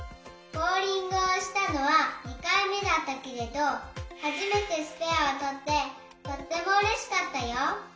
ボウリングをしたのは２かいめだったけれどはじめてスペアをとってとってもうれしかったよ。